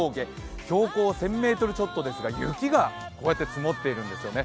標高１０００ｍちょっとですが雪が、こうやって積もっているんですよね。